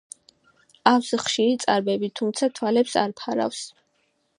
ავს ხშირი წარბები, თუმცა თვალებს არ ფარავს.